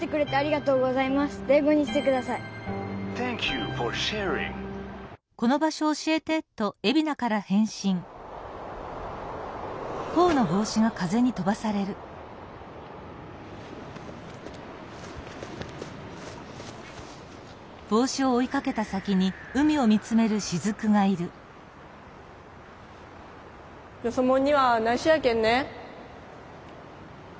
回そうよそもんにはないしょやけんね。